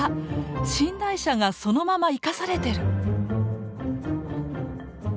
寝台車がそのまま生かされてる。